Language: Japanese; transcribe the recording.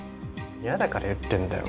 嫌だから言ってんだよ